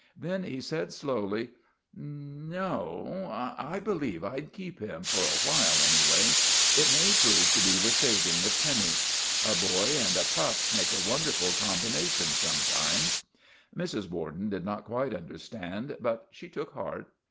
Then he said, slowly :" No, I believe I 'd keep him, for awhile anyway. It may prove to be the saving of THE REGENERATION OF TIMMY 201 Timmy. A boy and a pup make a wonderful com bination, sometimes." Mrs. Borden did not quite understand, but she took heart.